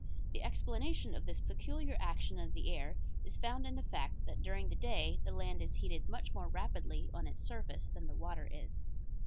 The explanation of this peculiar action of the air is found in the fact that during the day the land is heated much more rapidly on its surface than the water is.